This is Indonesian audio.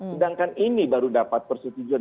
sedangkan ini baru dapat persetujuan